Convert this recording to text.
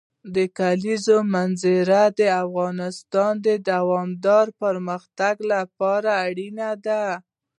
د کلیزو منظره د افغانستان د دوامداره پرمختګ لپاره اړین دي.